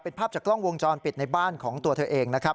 เป็นภาพจากกล้องวงจรปิดในบ้านของตัวเธอเองนะครับ